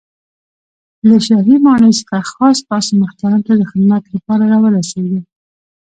له شاهي ماڼۍ څخه خاص تاسو محترم ته د خدمت له پاره را ورسېږم.